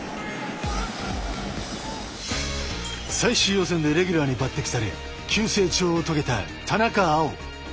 最終予選でレギュラーに抜てきされ急成長を遂げた田中碧。